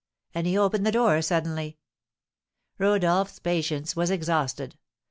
And he opened the door suddenly. Rodolph's patience was exhausted.